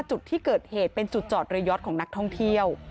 จุดที่เกิดเหตุเป็นจุดจอดเรือยอดของนักท่องเที่ยว